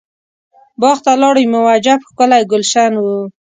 باغ ته لاړم یو عجب ښکلی ګلشن و.